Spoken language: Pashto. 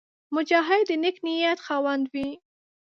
مجاهد د نېک نیت خاوند وي.